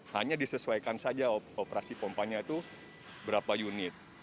hanya disesuaikan saja operasi pompanya itu berapa unit